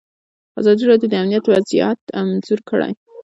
ازادي راډیو د امنیت وضعیت انځور کړی.